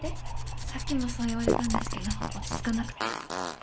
さっきもそう言われたんですけど落ち着かなくて。